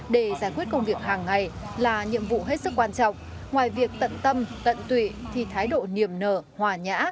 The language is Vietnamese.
để giải quyết công việc hàng ngày là nhiệm vụ hết sức quan trọng ngoài việc tận tâm tận tụy thì thái độ niềm nở hòa nhã